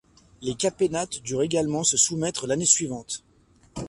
Les Capénates durent également se soumettre l'année suivante.